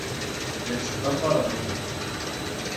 La ttḍafareɣ agal.